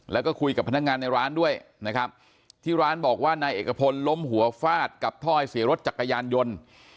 แล้วก็คุยกับพนักงานในร้านด้วยนะครับที่ร้านบอกว่านายเอกพลล้มหัวฟาดกับถ้อยเสียรถจักรยานยนต์